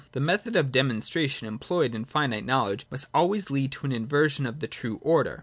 (6) The method of demonstration employed in finite knowledge must always lead to an inversion of the true order.